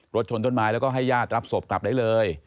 รถชนต้นไม้แล้วก็ให้ญาติรับศพกลับได้เลย